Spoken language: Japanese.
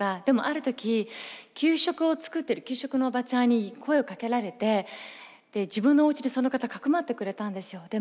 でもある時給食を作ってる給食のおばちゃんに声をかけられてで自分のおうちでその方かくまってくれたんですよ。